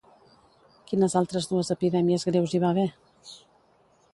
Quines altres dues epidèmies greus hi va haver?